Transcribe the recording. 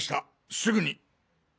すぐにっ！